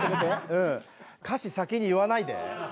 歌詞、先に言わないで。